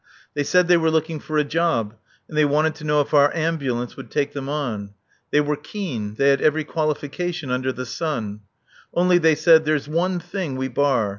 They said they were looking for a job, and they wanted to know if our Ambulance would take them on. They were keen. They had every qualification under the sun. "Only," they said, "there's one thing we bar.